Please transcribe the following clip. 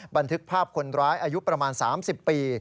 บันทึกภาพคนร้ายอายุประมาณ๓๐ปี